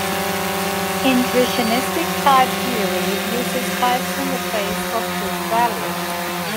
Intuitionistic type theory uses types in the place of truth values.